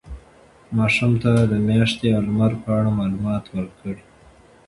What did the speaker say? ماشومانو ته د میاشتې او لمر په اړه معلومات ورکړئ.